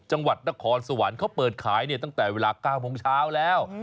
จังหวัดนครสวรรค์เขาเปิดขายเนี่ยตั้งแต่เวลา๙โมงเช้าแล้ว